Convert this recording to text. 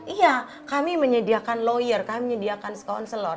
iya kami menyediakan lawyer kami menyediakan scounselor